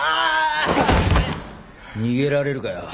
逃げられるかよ。